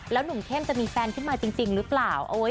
หนุ่มเข้มจะมีแฟนขึ้นมาจริงหรือเปล่า